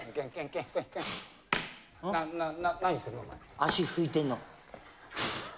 足吹いてんの。